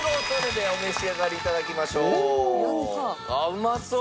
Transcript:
うまそう！